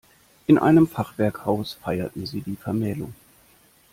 In einem Fachwerkhaus feierten sie die Vermählung.